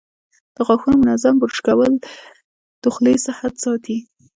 د غاښونو منظم برش کول د خولې صحت ساتي.